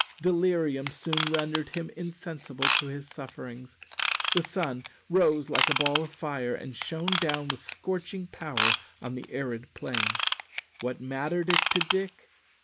Delirium soon rendered him insensible to his sufferings. The sun rose like a ball of fire, and shone down with scorching power on the arid plain. What mattered it to Dick?